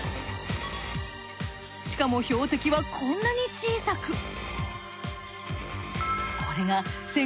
しかも標的はこんなに小さく。